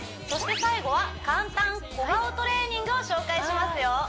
そして最後は簡単小顔トレーニングを紹介しますよ